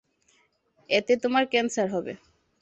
এতে তোমার ক্যান্সার হবে।